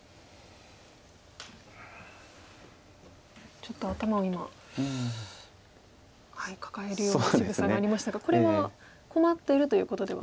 ちょっと頭を今抱えるようなしぐさがありましたがこれは困ってるということでは。